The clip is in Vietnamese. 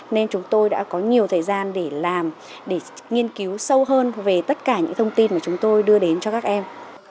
nên chúng tôi đã có nhiều thời gian để làm để nghiên cứu sâu hơn về tất cả những thông tin mà chúng tôi đưa đến cho các em